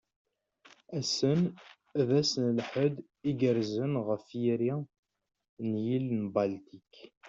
Ass-en d ass n lḥedd igerrzen ɣef yiri n yill n Baltik.